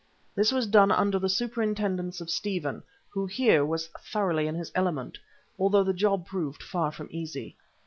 This was done under the superintendence of Stephen, who here was thoroughly in his element, although the job proved far from easy.